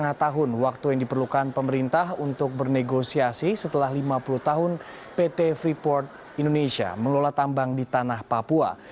lima tahun waktu yang diperlukan pemerintah untuk bernegosiasi setelah lima puluh tahun pt freeport indonesia mengelola tambang di tanah papua